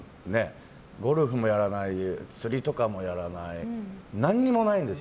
ゴルフもやらない釣りとかもやらない何もないんです。